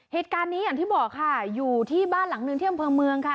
เหตุการณ์นี้อย่างที่บอกค่ะอยู่ที่บ้านหลังหนึ่งที่อำเภอเมืองค่ะ